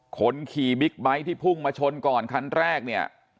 คนขี่บิ๊กไบท์ที่พุ่งมาชนก่อนคันแรกเนี่ย